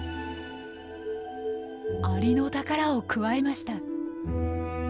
アリノタカラをくわえました。